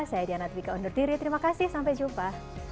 saya diana twika undur diri terima kasih sampai jumpa